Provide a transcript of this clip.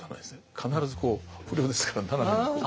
必ずこう不良ですから斜めに。